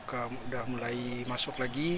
sudah mulai masuk lagi